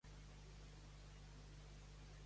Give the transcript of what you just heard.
La biografia del major Gem és molt coneguda.